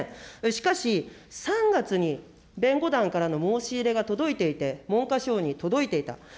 しかし、３月に弁護団からの申し入れが届いていて、文科省に届いていた。